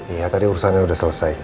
iya tadi urusannya sudah selesai